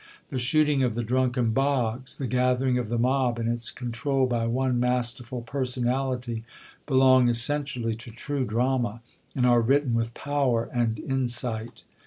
The shooting of the drunken Boggs, the gathering of the mob, and its control by one masterful personality, belong essentially to true drama, and are written with power and insight.